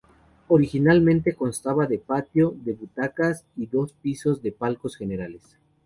Originalmente, constaba de patio de butacas y dos pisos de palcos generales.